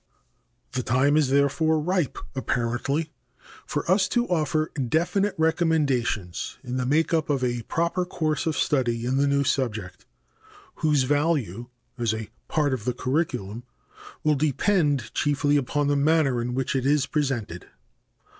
The time is therefore ripe, apparently, for us to offer definite recommendations in the make up of a proper course of study in the new subject, whose value as a part of the curriculum will depend chiefly upon the manner in which it is presented.